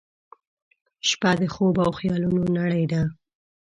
• شپه د خوب او خیالونو نړۍ ده.